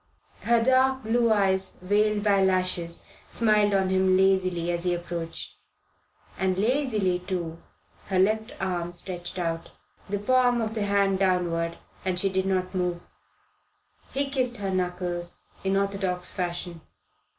Her dark blue eyes, veiled by lashes, smiled on him lazily as he approached; and lazily, too, her left arm stretched out, the palm of the hand downward, and she did not move. He kissed her knuckles, in orthodox fashion.